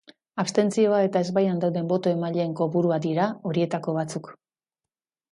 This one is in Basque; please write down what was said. Abstentzioa eta ezbaian dauden boto-emaileen kopurua dira horietako batzuk.